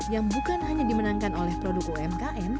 yang bukan hanya dimenangkan oleh produk umkm